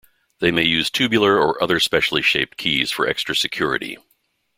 They may use tubular or other specially-shaped keys for extra security.